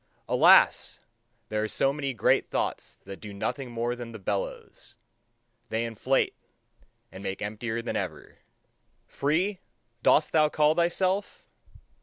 Alas! there are so many great thoughts that do nothing more than the bellows: they inflate, and make emptier than ever. Free, dost thou call thyself?